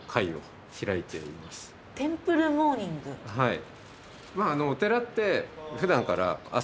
はい。